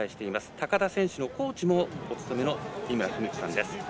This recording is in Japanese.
高田選手のコーチもお務めの井村久美子さんです。